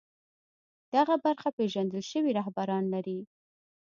دغه برخه پېژندل شوي رهبران لري